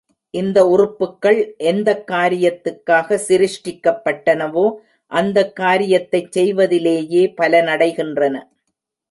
இந்த உறுப்புக்கள் எந்தக் காரியத்துக்காகச் சிருஷ்டிக்கப்பட்டனவோ அந்தக் காரியத்தைச் செய்வதிலேயே பலனடைகின்றன.